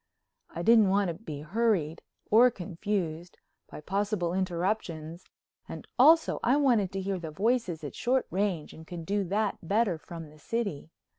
I didn't want to be hurried, or confused, by possible interruptions, and also I wanted to hear the voices at short range and could do that better from the city.